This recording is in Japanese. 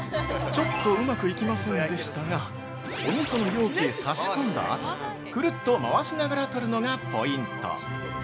◆ちょっとうまくいきませんでしたがおみその容器へ差し込んだあとくるっと回しながら取るのがポイント。